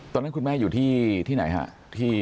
ตอนนั้นคุณแม่อยู่ที่ที่ไหนค่ะที่